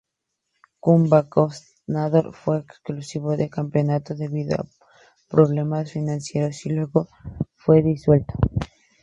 Kuban Krasnodar fue excluido del campeonato debido a problemas financieros, y luego fue disuelto.